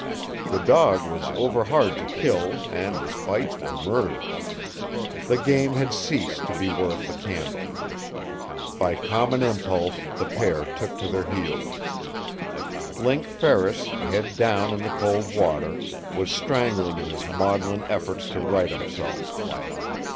The dog was overhard to kill, and his bites were murderous. The game had ceased to be worth the candle. By common impulse the pair took to their heels. Link Ferris, head down in the cold water, was strangling in his maudlin efforts to right himself.